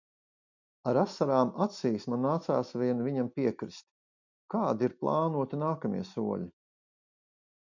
Ar asarām acīs man nācās vien viņam piekrist. Kādi ir plānoti nākamie soļi?